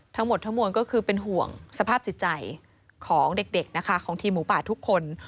ทั้งหมดทั้งมวลก็คือเป็นห่วงสภาพจิตใจของเด็กนะคะของทีมหมูป่าทุกคน